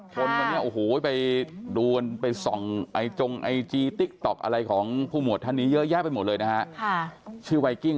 ชื่อเล่นชื่อหมวดไวกิ้ง